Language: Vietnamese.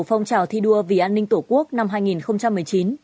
phong trào thi đua vì an ninh tổ quốc năm hai nghìn một mươi chín